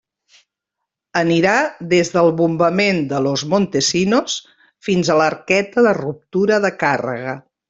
Anirà des del bombament de Los Montesinos fins a l'arqueta de ruptura de càrrega.